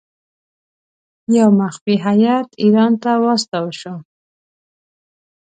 یو مخفي هیات ایران ته واستاوه شو.